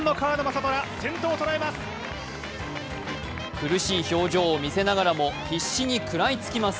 苦しい表情を見せながらも必死に食らいつきます。